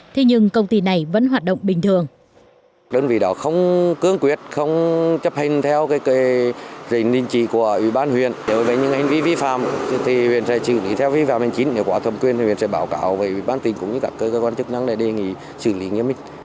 thế nhưng công ty này vẫn hoạt động bình thường